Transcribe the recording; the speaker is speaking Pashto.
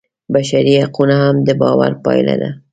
بشري حقونه هم د باور پایله ده.